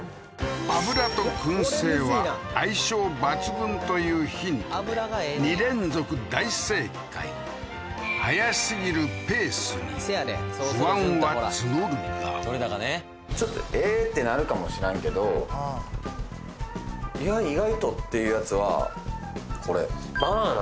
油と燻製は相性抜群というヒントで２連続大正解早すぎるペースに不安は募るがちょっとええーってなるかもしらんけどいや意外とっていうやつはこれバナナ？